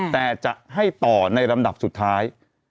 แต่จะให้ต่อในลำดับสุดท้าย